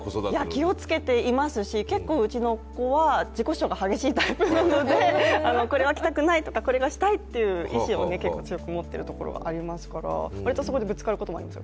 気をつけていますし、結構うちの子は自己主張が激しいタイプなので、これは着たくないとか、これはしたいという意思を持っているところはありますから割とそこでぶつかる事があるんですよ。